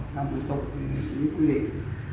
làm phù thục những quy định